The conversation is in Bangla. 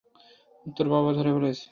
তোর বাবা ধরে ফেলেছে!